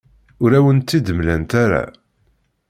Ur awen-t-id-mlant ara.